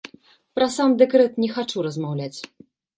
Пра сам дэкрэт не хачу размаўляць.